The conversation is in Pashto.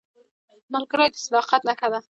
ملګری د صداقت نښه ده